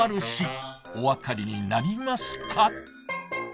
お分かりになりますか？